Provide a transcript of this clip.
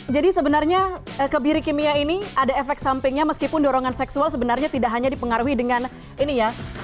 jadi sebenarnya kebiri kimia ini ada efek sampingnya meskipun dorongan seksual sebenarnya tidak hanya dipengaruhi dengan ini ya